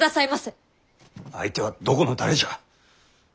相手はどこの誰じゃ。